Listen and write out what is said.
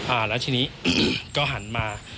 อ่าแล้วทีนี้ก็หันมา